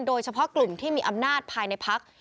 โดยเฉพาะกลุ่มที่มีอำนาจภายในพัก